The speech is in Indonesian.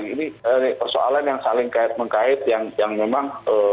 ini persoalan yang saling kait mengkait yang memang